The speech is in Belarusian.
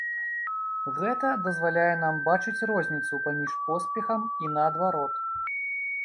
Гэта дазваляе нам бачыць розніцу паміж поспехам і наадварот.